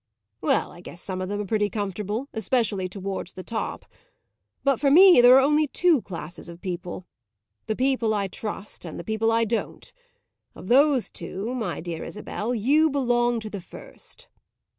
"Well, I guess some of them are pretty comfortable especially towards the top. But for me there are only two classes: the people I trust and the people I don't. Of those two, my dear Isabel, you belong to the first."